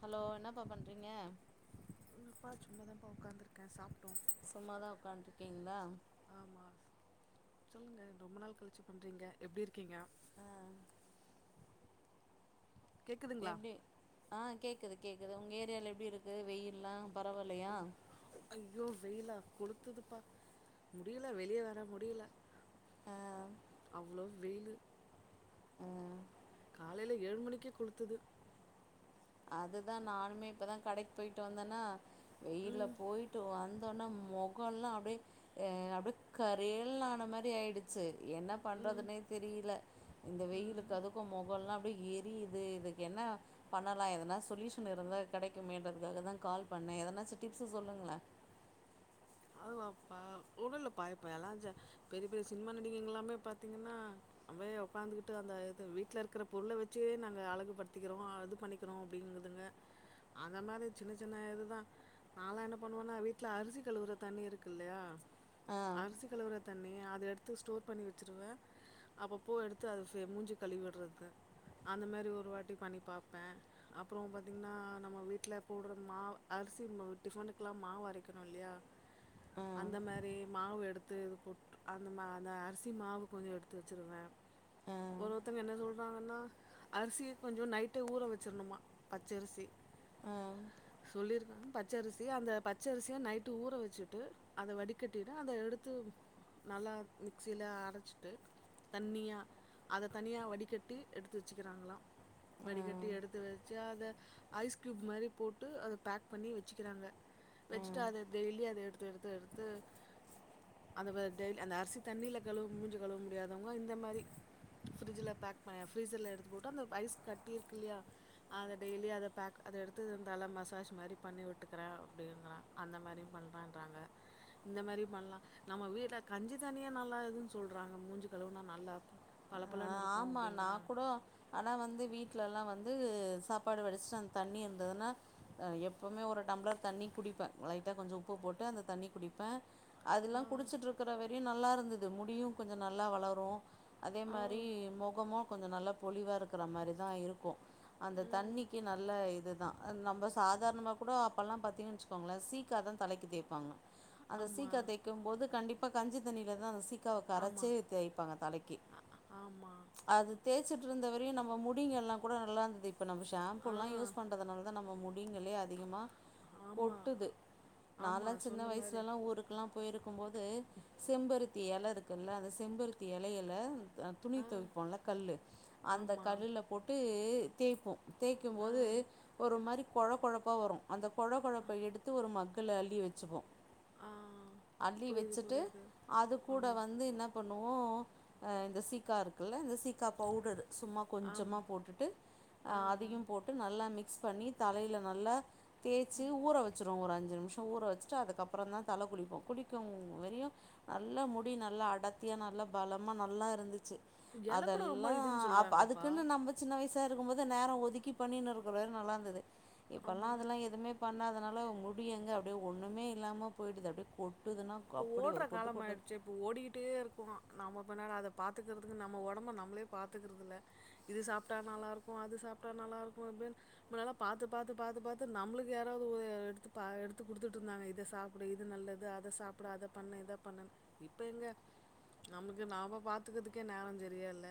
Hello என்னப்பா பண்றீங்க என்னப்பா சும்மாதாம்பா உக்காந்துருக்கே சாப்டோ ஓகேங்ளா ஆமா சொல்லுங்க ரொம்ப நாள் கழிச்சு பண்றீங்க எப்படி இருக்கீங்க கேக்குதுங்களா எப்டி ஆ கேக் கேக்குது கேக்குது உங்க ஏரியால எப்படி இருக்கு வெயில்லா பரவாயில்லையா ஐ- ஐயோ வெயிலா கொளுத்துதுப்பா முடியல வெளியே வர முடில அவ்ளோ வெயிலு உம் காலைல ஏழு மணிக்கே கொளுத்துது அதுதா நானுமே இப்பதா கடைக்கு போய்ட்டு வந்தனா வெயில்ல ம் போயிட்டு வந் தொன்ன மொகல்லா அப்படியே அப்படியே கரேல்ன்னு ஆன மாரி ஆயிடுச்சு என்ன ம் பண்றதுனே தெரில இந்த வெயிலுக்கு அதுக்கு மொகல்லா ரொம்ப எரியிது இது இதுக்கு என்ன பண் ணலா எதனா சொல்யூஷன் இருந்தா கெடைக்குமேன்றதுக்காகதா கால் பண்ணே எதனாச்சு டிப்ஸ் சொல்லுங்களே அதுவாப்பா ஒண்ணு இல்லப்பா இப்பயெல்லா பெரிய பெரிய சினிமா நடிகைங்கெல்லாமே பாத்தீங்கன்னா அப்டியே உட்காந்துகிட்டு அந்த இது வீட்ல இருக்கிற பொருள வெச்சே நாங்க அழகு படுத்திக்கிறோ அது பண்ணிக்கிறோ அப்டிங்குதுங்க அந்த மாதிரி சின்ன சின்ன இதுதா நான்லா என்ன பண்ணுவேன்னா வீட்ல அரிசி கழுவுற தண்ணி இருக்கில்லையா ஆ அரசி கழுவர தண்ணிய நா அத எடுத்து ஸ்டோர் பண்ணி வெச்சுருவே அப்பப்போ எடுத்து அது ஃபே மூஞ்சி கழுவிடறது அந்த மாரி ஒரு வாட்டி பண்ணி பாப்பே அப்புறோ பாத்தீங்கன்னா நம்ம வீட்ல போடுற மாவ் அரிசி டிஃபனுக்கெல்லா மாவு அரைக்கறோ இல்லையா ஆ அந்த மாரி மாவ் எடுத் து இது போட்டு அந்த மா அந்த அரிசி மாவு கொஞ்சோ எடுத்து வெச்சருவே ஆ ஒரு ஒத்தங்க என்ன சொல் சொல்றாங்கன்னா அரிசிய கொஞ்சோ நைட்டே ஊற வெச்சருனுமா பச்சரிசி ஆ சொல்லிருக்காங்க பச்சரிசி அந்த பச்சரிசிய நைட்டு ஊற வெ ச்சுட்டு அத வடிகட்டிட்டு அத எடுத்து நல்லா மிக்ஸில அரச்சுட்டு தண்ணியா அத தனியா வடிகட்டி எடுத்து வெச்சிக்கிறாங்களா ஆ வடிகட்டி எடுத்து வெச்சு அத ஐஸ் கியூப் மாரி போட்டு அத பேக் பண்ணி வெச்சுக்கிறாங்க ஆ வெச்சுட்டு அத டெய்லியு அத எடு த்து எடுத்து எடுத்து அதவ டெய்லி அந்த அரிசி தண்ணில கழுவு மூஞ்சி கழுவ முடியாதவங்க இந்த மாரி ஃப்ரிட்ஜில் பேக் பண்ண ஃப்ரீஸர்ல எடுத்து போட்டு அந்த ஐஸ் கட்டியிருக்கில்லையா அத டெய்லி அத பேக் அத எடுத்து தல மசாஜ் மாரி பண்ணி விட்டுக்குறே அப்டீங்குறா அந்த மாரியு பண்ணறா ங்க இந்த மாரியு பண்ணலா நம்ம வீட்ல கஞ்சி தனியே நல்லாதுன்னு சொல்றாங்க மூஞ்சு கழுவுனா நல்லா ப பல ஆமா ந கூடோ ஆனா வந்து வீட்டுல எல்லா வந்து சாப்பாடு வெடிச்சிட்டு அந்த தண்ணி இருந்ததுன்னா எப்போவுமே ஒரு டம்ளர் தண்ணி குடிப்பேன் லைட்டா கொஞ்சோ உப்பு போட்டு அந்த தண்ணி குடிப்பேன் அதெல்லா குடிச்சிட்டு ஆ இருக்கிறவ அப்டியும் நல்லா இருந்தது முடியும் கொஞ்சோ நல்லா வளரும் அதே மாரி ஆ முகமும் கொஞ்சோ நல்லா பொழிவா இருக்கிற மாரி தான் இருக்கும் அந்த ம் தண்ணிக்கு நல்ல இதுதான் நம்ம சாதாரணமாக கூட அப்போல்லா பாத்தீங்கன்னு வச்சுக்கோங்களேன் சீக்கா தான் தலைக்கு தேய்ப்பாங்க அந்த ஆமா சீக்கா தேய்க்கும் போது கண்டிப் இப்ப கஞ்சி தண்ணியில தான் அந்த சீக் க்காவ ஆமா கரைச்சே தேய்பாங்க தலைக்கு ஆமா அது தே ச்சிட்டு இருந்த வரையு நம்ம முடிங்க எல்லா கூட நல்லா இருந்தது இப்போ நம்ம ஆ ஷாம்புலா யூஸ் பண்ணுறதுனால தா நம்ம முடிங்களே அதிகமாக ஆமா கொட்டுது ஆமா நாலாம் சின்ன சொன்ன மாரி வயசுலல்லா ஊருக்கெலா போயிருக்கும் போது செம்பருத் த்தி எல இருக்குல்ல அந்த செம்பருத்தி எலயில துணி ஆ தொவிப்போல கல்லு அந்த ஆமா. கல்லுல போட்டு தேய்ப்போம் தேய்க்கும் ஆ போது ஒரு மாரி கொழ கொழப்பா வரும் அந்த கொழ கொழப்ப எடுத்து ஒரு மக்குள அள்ளி வச்சுப்போம் ஆ அள்ளி புரியுது, வச்சுட்டு புரியுது. அது கூட ஆம். வந்து என்ன பண்ணுவோ அஹ் இந்த சிக் க்கா இருக்குல்ல இந்த சீக்கா பவுடர் சும்மா கொஞ்சமா ஆமா. போட்டுட்டு ஆ ஆ. அதயும் போட்டு நல்லா மிக் மிக்ஸ் பண்ணி தலையில நல்லா தேச்சி ஊற வச்சிருவோ ஒரு அஞ் அஞ்சு நிமிஷம் ஊற வச்சுட்டு அதுக்கப்புறோ தா தல குளிப்போம் குளிக்கும் வெரியு நல்லா முடி நல்லா அடத்தியாக நல்லா பலமா நல்லா இருந்துச்சு எல கூட ரொம்ப அதெல்லா இதுன்னு அப் சொல்றாங்கப்பா. அதுக்குன்னு நம்ம சின்ன வயசு சா இருக்கும்போது நேரம் ஒதுக்கி பண்ணின்னு இருக்கிற வெறையு நல்லாருந்தது இப்பல்லா ஆமா. அதெல்லா எதுமே பண்ணாதனால முடி எங்க அப்படியே ஒன்னுமே இல்லாம போயிடுது அப்டியே கொட் இப்ப ஓடுற காலம் ஆயிடுச்சு இப்ப ஓடிக்கிட்டே இருக்கோம் நாமக் முன்னால அத பாத்துக்கறதுக்கு நம்ம உடம்ப நம்மளே பாத்துக்கறதில்ல இது சாப்பிட்டா நல்லா இருக்கு அது சாப்பிட்டா நல்லா இருக்கு இப்டின்னு முன்னல்லா பாத்து பாத்து பாத்து நம்மளுக்கு யாராவது எடுத்து பா எடுத்து குடுத்துட்டு இருந்தாங்க இத சாப்பிடு இது நல்லது அத சாப் ப்ர அதபண்ணு இத பண்ணுன்ணு இப்ப எங்க நமக்கு நாம பாத்துக்கிதுக்கே நேரம் செரியால்ல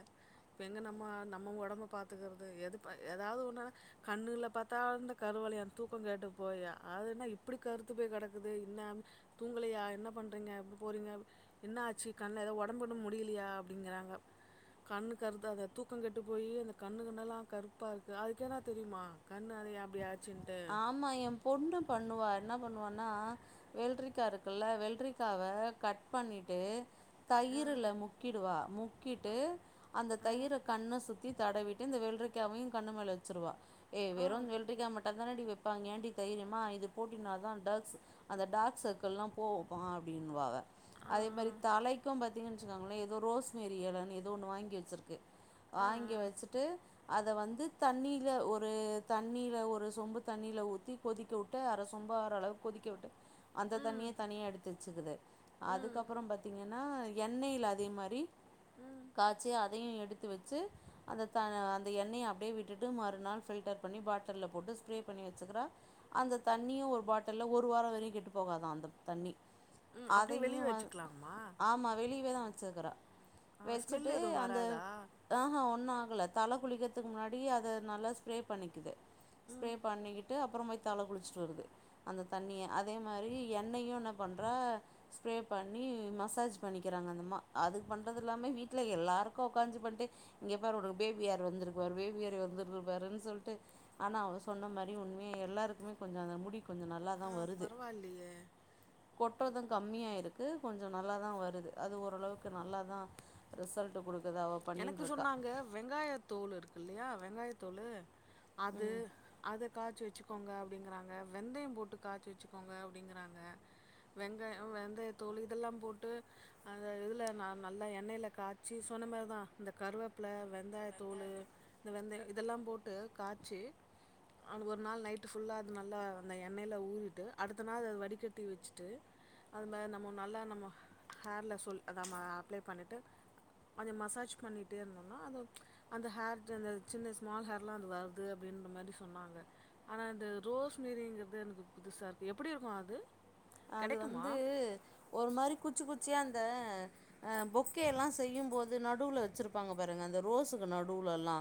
இப்ப எங்க நம்ம நம்ம ஒடம்ப பாத்துக்கிறது எதுப் எதாவது ஒன்னுன்னா கண்ணுல பாத்தா இந்த கருவலையோ தூக்கம் கெட்டு போயி அது என்ன இப்படி கருத்து போய் கெடக்குது என்னா தூங்கலயா என்ன பண்றிங்க எப்ப போறிங்க என்னா ஆச்சு கண்ண எத ஒடம்பு கிடம்பு முடியலயா அப்டிங்கறாங்க கண்ணு கருத்தாத தூக்கம் கெட்டுப் போயி அந்த கண்ணு கிண்ணல்லா கருப்பா இருக்கு அதுக்கு எதானா தெரியுமா கண் அத ஏ இப்படியாச் ஆமா என் பொண்ணு பண்ணுவா என்ன பண்ணுவான்னா வெல்ரிக்கா இருக்குல்ல வெல்ரிக்காவ கட் பண்ணிட்டு ஆ தயிரல முக்கிடுவா முக்கிட்டு அந்த ஆ தயிர கண்ண சுத் சுத்தி தடவிட்டு இந்த வெள்ரிக்காவையு கண்ணுமேல வச்சுருவா ஏ ஆ வெறு வெள்ரிக்கா மட் ட தனாடி வைப்பாங்க ஏண்டி தயிரு அம்மா இது போட்டின்னா தா டக்ஸ் அந்த டாக்ஸ் சர்க்கிள்லா போ பா அப்டின்னுவாவ ஆ அதே மாரி தலைக்கு பத் சொன்னாங்கள ஏதோ ரோஸ்மரி எலனு ஏதோ ஒன்னு வாங்கி வச்சிருக் ஆ ஆ வாங்கி வச்சுட்டு அத வந்து தண்ணீல ஒரு தண்ணீல ஒரு சொம்பு தண்ணியில ஊத்தி கொதிக்க விட்டு அர சொம்பு அர அளவு கொதிக்க விட்டு அந்த தண்ணிய ம் தனியா எடுத்து வச்சுக்குது ம் அதுக்கப்புறம் பாத்திங்கன்னா எண்ணெயில அதே மாரி காச்சி அதையு எடுத் து வச்சு அந்த த அந்த எண்ணெய அப்படியே விட்டுட்டு மறுநாள் ஃபில்டர் பண்ணி பாட்டில்ல போட்டு ஸ்ப்ரே பண்ணி வச்சுக்கிறா அந்த தண்ணியு ஒரு பாட்டல்ல ஒரு வாரோ வரையு கெட்டு போகாதா அந்த தண்ணி ம் அப்டியே அதையு வெளிய வந் வச்சுக்கலாமா ஆமா வெளிவேதா வெச்சுகரா ஆ வெச்சுட்டு ஸ்மெல் எதுவு அந்த வராதா அஆ ஒன்னு ஆகல தல குளிக்கித்துக்கு முன்னாடி அத நல்லா ஸ்ப்ரே பண்ணிக்குது ஸ்பரே ம் பண்ணிக்கிட்டு அ அப்புறம் போய் தல குளிச்சிட்டு வருது அந்த தண்ணிய அதே மாரி எண்ணெயு என்ன பண்றா ஸ்ப்ரே பண்ணி மசாஜ் பண்ணிக்கிறாங்க அந்தம்மா அது பண்றதில்லாமை வீட்ல எல்லாருக்கோ உக்காஞ்சு பண்ட்டே இங்கே பார் உனக்கு பேபி ஹார் வந்துருக்கு பார் பேபி ஹார் வந்துருக்குப்பாருன்னு சொல்ட்டு ஆனா அவ சொன்ன மாரி உண்மே எல்லாருக்குமே கொஞ்சோ அந்த முடி கொஞ்சோ நல் லாதா ஆ வருது பரவாயில்லையே கொட்டுறது கம்மியாயிருக்கு கொஞ்சோ நல்லாதா வருது அது ஓரளவுக்கு நல்லாதா ரிசல்ட் கொடு எனக்கு சொன்னாங்க வெங்காய தோல் இருக்கு இல்லியா வெங்காய தோழு அது ம் அத காச்சு வெச்சு கோங்க அப்டிங்கறாங்க வெந்தம் போட்டு காச்சி வச்சிக்கோங்க அப்டிங்கறாங்க வெங்காயோ வெந்தயதோழு இதெல்லாம் போட்டு அந்த இதுல ந நல்லா எண்ணெய்ல காச்சி சொன்ன மார்தா இந்த கருவப்பில வெங்காயத்தோழு இந்த வெந்தயம் இதெல்லாம் போட்டு காச்சி அவனுக்கு ஒரு நாள் நைட்டு ஃபுல்லா அது நல்லா அந்த எண்ணெயில ஊறிட்டு அடுத்த நாள் அத வடிக்கட்டி வச்சுட்டு அதுமே நம்மோ நல்லா நம்ம ஹேர்ல சொல் அப்ளை பண்ணிட்டு கொஞ்சோ மசாஜ் பண்ணிட்டே இருந்தோனா அந்த ஒரு ச்ச அந்த ஹேர் ஜன் அந்த சின்ன ஸ்மால் ஹேர்லா அது வருது அப்டின்ற மாரி சொன்னாங்க ஆனா அந்த ரோஸ் மேரிங்கிது எனக்கு புதுசா இருக்கு எப்புடி இருக்கோ அது அது கெடைக்குமா வந்து ஒரு மாரி குச்சி குச்சியா அ தே ஆ பொக்கேலா செய்யும் போது நடுல வச்சிருப்பாங்க பாருங்க அந்த ரோஸுக்கு நடுல எல்லா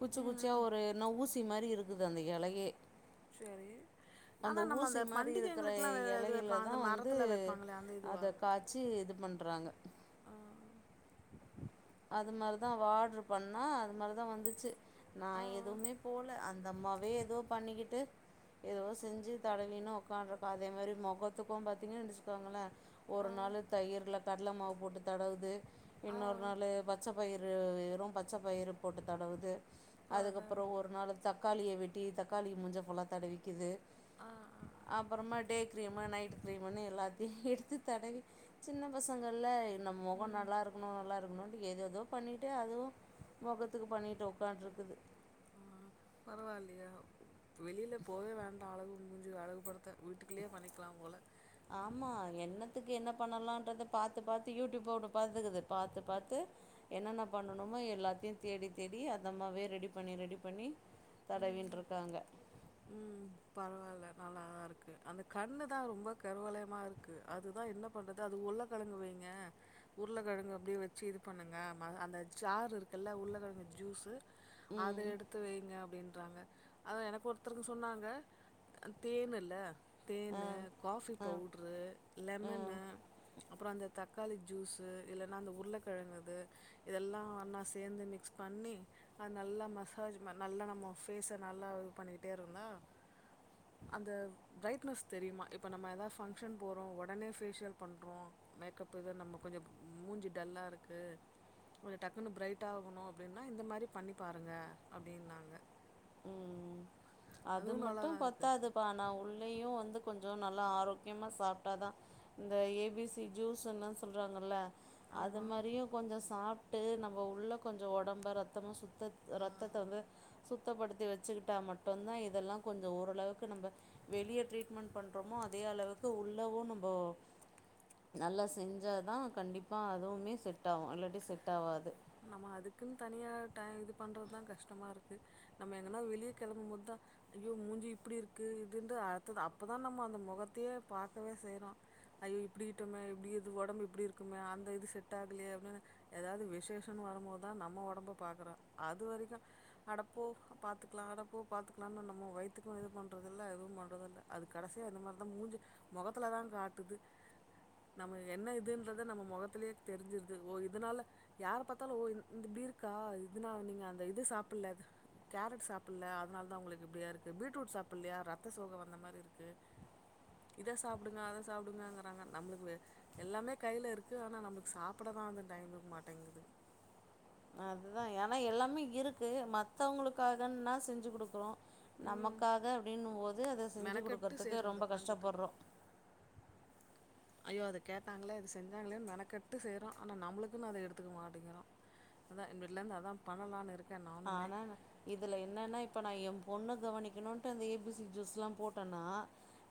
குச்சி ம் குச்சியா ம் ஒரு என்ன ஊசி மாரி இருக்குது அந்த எலையே செரி அந்த ஊசி மாரி இருக்கற வே இது வைப்பா எலையிலதா அந்த வந்து மரத்துல வைப்பாங்களே அந்த இதுவா அத காச்சி இது பண்றாங்க ஆ அது மாரிதா அவ ஆடர் பண்ணா அது மாரிதா வந்துச்சு நா ஆ எதுமே போல அந் தம்மாவே ஏதோ பண்ணிக்கிட்டு ஏதோ செஞ்சு தடவினு உக்கான்டுருக்கோ அதே மாரி மொகத்துக்கோ பாத்திங்க நெனச்சுக்கோங்களே ஆ ஒரு நாளு தயிர்ல கட்ல மாவு போட்டு தடவுது ஆ இன்னொரு நாளு பச்சப் பயிறு வெறூ பச்ச பயிறு போட்டு தடவுது பார்றே அதுக்கப்றோ ஒரு நாளு தப் தக்காளிய வெட்டி தக்காளி மூஞ்ச ஃபுல்லா தடவிக்குது ஆ ஆ அப்றமா எட் டே க்ரீமு நைட் க்ரீமுன்னு எல்லாத்தையூ எடுத்து தடவி சின்ன பசங்கல்ல நம் மொகோ ம் நல்லாருக் நல்லாருக்கணூன் ஏதேதோ பண்ணிட்டு அதுவூ மொகத்துக்கு பண்ணிட் ஒக்கான்ட்ருக்குது ஆ பரவால்லையே வெளில போவே வேண்டா அழகு மூஞ்சு அழகுபடுத்த வீட்டுக்குள்ளயே பண்ணிக்லா போல ஆமா என்னத்துக்கு என்ன பண்ணலான்றத பாத்து பாத்து யூடியூப்ப ஒன்னு பாத்துக்குது பாத்து பாத்து என்னென்ன பண்ணணுமோ எல்லாத்தையூ தேடி தேடி அந்தம்மாவே ரெடி பண்ணி ரெடி பண்ணி ம். தடவின்ட்ருக்காங்க ம் பரவால்ல நல்லாதாருக்கு அந்த கண்ணு தா ரொம்ப கருவலயமா இருக்கு அதுதா என்ன பண்றது அது உளக்கெழங்கு வைங்க உருளக்கெழங்கு அப்டியே வச்சு இது பண்ணுங்க ம அந்த சாறு இருக்குல்ல உருளக்கிழங்கு ஜூஸு அதத ம் எடுத்து வைங்க அப்படின்றாங்க அதா எனக்கொருத் தருக்கு சொன்னாங்க அ தேனுல்ல ஆ தேனு காஃபி ஆ பவுட்ரு ஆ லெமனு அப்றோ அந்த தக் காளி ஜூஸு இல்லைன்னா அந்த உருளக்கெழங்குது இதெல்லா நா சேந்து மிக்ஸ் பண்ணி அது நல்லா மசாஜ் நல்லா நம்ம ஃபேஸ நல்லா இது பண்ணிட் டேருந்தா அந்த ப்ரைட்னெஸ் தெரியுமா இப்போ நம்ம எதா ஃபங்க்ஷன் போறோ ஒடனே ஃபேசியல் பண்றோ மேக்கப் எது நம்ப கொஞ்சோ மூஞ்சி டல்லாருக்கு கொஞ்சோ டக்குனு ப்ரைட் ஆகணூ அப்டினா இந்த மாரி பண்ணிபாருங்க அப்டீன்னாங்க ம் அது மட்டூ பத்தாதுபா நா உள்ளயூ வந்து கொஞ்சோ நல்லா ஆரோக்கியமா சாப்டாதா இந்த ஏ பி சி ஜூஸுன்னு சொல்றாங்கல்ல அது ஆமாம் மாரியு கொஞ்சோ சாப் டு நம்ம உள்ள கொஞ்சோ ஒடம்ப ரத்தமா சுத்தத் ரத்தத்த வந்து சுத்தப்படுத்தி வச்சுக்கிட்டா மட் டுந்தா இதல்லா கொஞ்சோ ஓரளவுக்கு நம்ம வெளிய ட்ரீட்மெண்ட் பண்ணுறோமோ அதேளவுக்கு உள்ளவூ நம்மோ நல்லா செஞ்சா தா கண்டிப்பா அதூவ்மே செட் ஆகு இல்லாட்டி செட் ஆகாது நம்ம அதுக்குன் தனியா டை இது பண்றதுதா கஷ்டமாருக்கு நம்ம எங்கன்னா வெளியே கெளம்பும் போதுதா ஐயோ மூஞ்சு இப்டிருக்கு இதுன்டு அத்தது அப்பதா நம்ம அந்த மொகத்தையே பாக்கவே செய்றோ ஐயோ இப்டிக்கிட்டோமே இப்டி இது ஒடம்பு இப்டிருக்கோமே அந்த இது செட் ஆகலையே அப்டின்னு ஏதாவ்து விசேஷோ ஹன் வரும்போத்தா நம்ம ஒடம்ப பாக்றோ அது வரைக்கூ அட போ பாத்துக்லா அட போ பாத்துக்லான்னு நம்ம வயித்துக்கூ எதூ பண்றதில்ல எதூ பண்றதில்ல அது கடசியா இந்த மாரிதா மூஞ்சு மொகத்துல தா காட்டுது நம்ம என்ன இதுன் நம்ம மொகத்திலே தெரிஞ்சிடுது ஓ இதனால யாரப் பாத் த்தல ஓ இந்த் பீர்க்கா இதனா நீங்க அந்த இது சாப்டல கேரட் சாப்டல அத்னால தா உங்களுக்கு இப்டியாய்ருக்கு பீட்ரூட் சாப்டலையா ரத்த சோக வந்த மாரி இருக்கு இத சாப்டுங்க அத சாப்டுங்கங்கிறாங்க நம்மளுக்கு எல்லாமே கைல இருக்கு ஆனா நம்ளுக்கு சாப்பிட தா அது டைமுக் மாட்டேங்குது அதுதா ஆனா எல்லாமே இருக்கு மத்தவங்களுக்காகன்னா செஞ்சு குடுக்குறோ ம் நமக்காக அப்படின்னும் போது அத செஞ்சு மெனக்கெட்டு குடுக்கறதுக்கு செய்கிறோம் அதை ரொம்ப உட்காந்துட்டு கஷ்டப்பட்றோ ஐயோ அத கேட்டாங்ளே அது செஞ்சாங்ளேன்னு மெனக்கெட்டு செய்றோ ஆனா நம்ளுக்குன்னு அத எடுத்துக்க மாட்டங்கிறோ அதா இனிமேட்லேந்து அதா பண்ணலான்ருக் ஆனா நா இதுல என்னன்னா இப்ப நா எம் பொண்ண கவனிக்கணுன்ட்டு அந்த ஏ பி சி ஜூஸ்லா போட்டேன்னா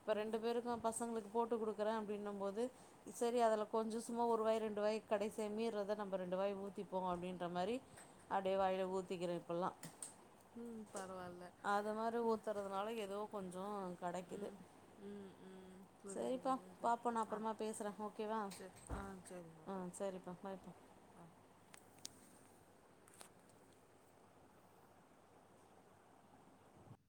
இப்ப ம் ரெண்டு பேருக்கூ பசங்களுக் போட்டு குடுக்குறே அப்டின்னும் போது செரி அதுல கொஞ்சோ சும்மா ஒருவாய் ரெண்டு வாய் கடைசேமீ ரத நம்ம ரெண்டு வாய் ஊத்திப்போ அப்டின்ற மாரி அப்டே வாய்ல ஊத் தீக்ற இப்பல்லா ம் பரவால்ல அத மாரி ம் ஊத்துறதுனால ஏதோ கொஞ்சோ கெடைக்குது ம் ம் ம் புரியுது செரிப்பா புரியுது பாப்போ நா ஆ அப்றமா பேசுறே ஓகேவா சரி ஆ சரிப்பா ஆ செரிப்பா பாய்பா ஆ